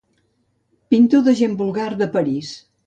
Pintor de gent vulgar de París.